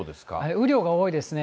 雨量が多いですね。